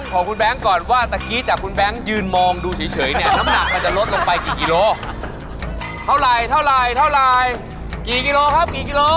คุณคิดว่าคุณจะเอาลงได้อีกเท่าไหร่ครับ